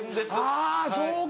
あそうか。